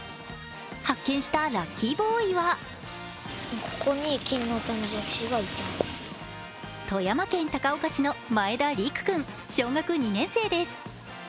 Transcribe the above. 発見したラッキーボーイは富山県高岡市の前田陸君小学２年生です。